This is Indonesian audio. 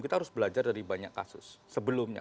kita harus belajar dari banyak kasus sebelumnya